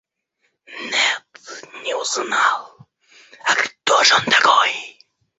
– Нет, не узнал; а кто ж он такой?